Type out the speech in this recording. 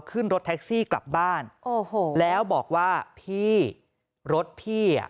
ขึ้นรถแท็กซี่กลับบ้านโอ้โหแล้วบอกว่าพี่รถพี่อ่ะ